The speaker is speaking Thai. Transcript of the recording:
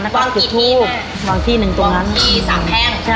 แล้วก็จุดภูมิวางที่หนึ่งตรงนั้นวางที่สำแพงใช่